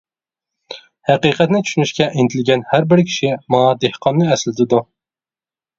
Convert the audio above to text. ھەقىقەتنى چۈشىنىشكە ئىنتىلگەن ھەر بىر كىشى ماڭا دېھقاننى ئەسلىتىدۇ.